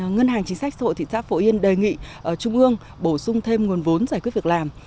ngân hàng chính sách xã hội thị xã phổ yên đề nghị trung ương bổ sung thêm nguồn vốn giải quyết việc làm